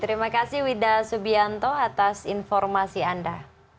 ini adalah informasi anda